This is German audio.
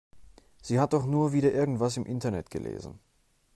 Sie hat doch nur wieder irgendwas im Internet gelesen.